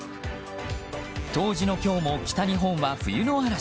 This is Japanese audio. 冬至の今日も北日本は冬の嵐。